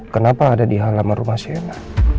kenapa ada di halaman rumah sina